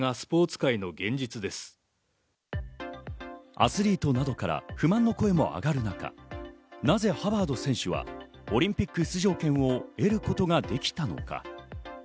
アスリートなどから不満の声も上がるなか、なぜハバード選手はオリンピック出場権を得ることができたのか。